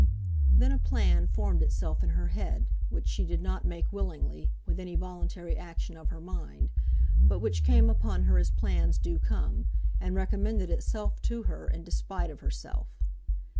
Then a plan formed itself in her head, which she did not make willingly, with any voluntary action of her mind, but which came upon her as plans do come, and recommended itself to her in despite of herself.